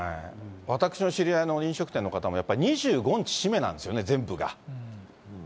私の知り合いの飲食店の方もやっぱり２５日締めなんですよね、全部が。